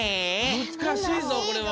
むずかしいぞこれは！